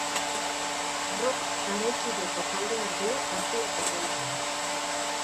Rock garaikideko taldeak dira karteleko gehienak.